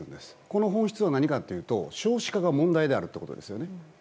この本質は何かというと少子化が問題であるということですよね。